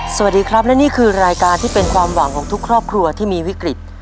สวัสดีครับและนี่คือรายการที่เป็นความหวังของทุกครอบครัวที่มีวิกฤต